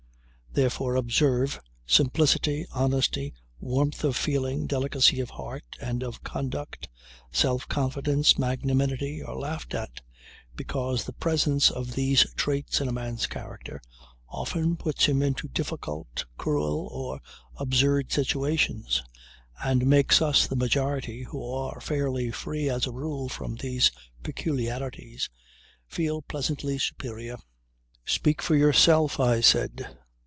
Therefore, observe, simplicity, honesty, warmth of feeling, delicacy of heart and of conduct, self confidence, magnanimity are laughed at, because the presence of these traits in a man's character often puts him into difficult, cruel or absurd situations, and makes us, the majority who are fairly free as a rule from these peculiarities, feel pleasantly superior." "Speak for yourself," I said.